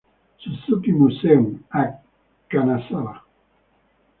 Suzuki Museum, a Kanazawa.